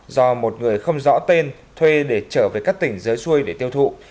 do một người không rõ tên thuê để trở về các tỉnh dưới xuôi để tiêu thụ